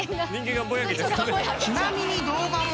［ちなみに動画も］